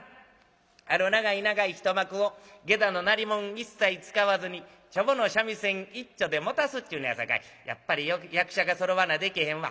あの長い長い一幕を下座の鳴り物一切使わずにチョボの三味線一丁でもたすっちゅうねやさかいやっぱり役者がそろわなでけへんわ。